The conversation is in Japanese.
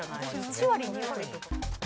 １割２割とか。